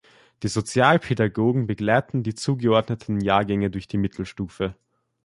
Die Sozialpädagogen begleiten die zugeordneten Jahrgänge durch die Mittelstufe.